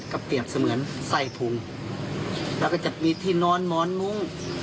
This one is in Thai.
ก็เปรียบเสมือนใส่ถุงแล้วก็จะมีที่นอนหมอนมุ้ง